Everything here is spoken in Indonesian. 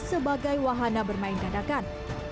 sebagai wahana bermain dadakan